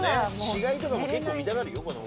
死骸とかも結構見たがるよ子供。